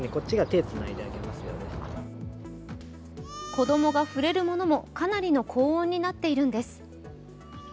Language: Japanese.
子供が触れるものもかなりの高温になっているんです。